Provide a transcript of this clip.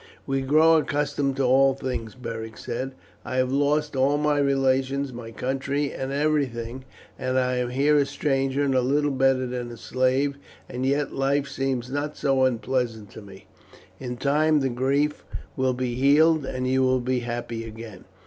"We grow accustomed to all things," Beric said. "I have lost all my relations, my country, and everything, and I am here a stranger and little better than a slave, and yet life seems not so unpleasant to me. In time this grief will be healed, and you will be happy again."